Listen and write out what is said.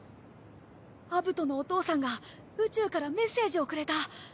アブトのお父さんが宇宙からメッセージをくれた。